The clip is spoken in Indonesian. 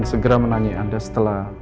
segera menanyi anda setelah